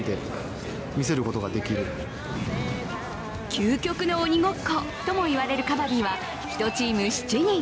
究極の鬼ごっこともいわれるカバディは１チーム７人。